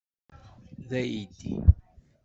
D aydi.